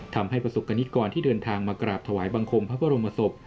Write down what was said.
ประสบกรณิกรที่เดินทางมากราบถวายบังคมพระบรมศพ